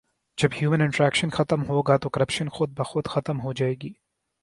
جب human interaction ختم ہوگا تو کرپشن خودبخود ختم ہو جائے گی